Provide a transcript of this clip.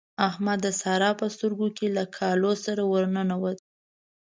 احمد د سارا په سترګو کې له کالو سره ور ننوت.